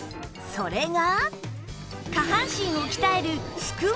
それが